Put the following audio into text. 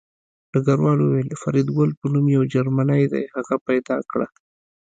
ډګروال وویل فریدګل په نوم یو جرمنی دی هغه پیدا کړه